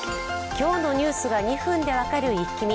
今日のニュースが２分で分かるイッキ見。